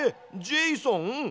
ジェイソン？